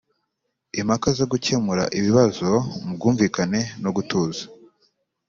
impaka zo gukemura ibibazo mu bwumvikane nugutuza